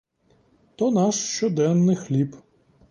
То наш щоденний хліб.